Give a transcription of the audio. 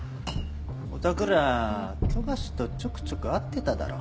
お宅ら富樫とちょくちょく会ってただろ？